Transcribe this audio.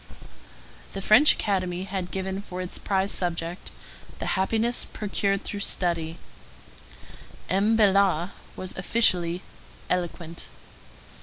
The French Academy had given for its prize subject, The Happiness procured through Study. M. Bellart was officially eloquent.